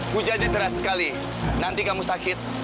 hujan teras sekali nanti kamu sakit